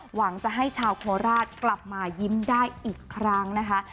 หวังจะให้ชาวโคราชกลับมายิ้มได้อีกครั้งนะคะ